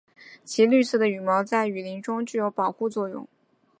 其绿色的羽毛在雨林中具有保护作用。